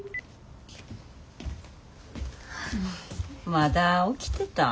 まだ起きてたん？